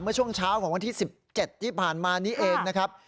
เมื่อช่วงเช้าของวันที่๑๗ที่ผ่านมานี้เองนะครับ